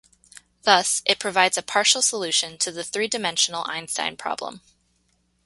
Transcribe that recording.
Thus, it provides a partial solution to the three-dimensional einstein problem.